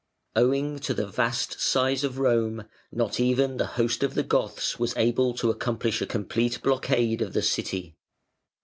Owing to the vast size of Rome not even the host of the Goths was able to accomplish a complete blockade of the City.